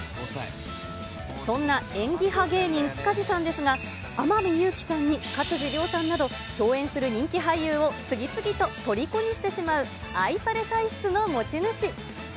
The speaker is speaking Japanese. そんな演技派芸人、塚地さんですが、天海祐希さんに勝地涼さんなど、共演する人気俳優を次々と虜にしてしまう、愛され体質の持ち主。